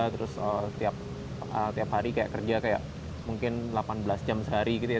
terus tiap hari kayak kerja kayak mungkin delapan belas jam sehari gitu ya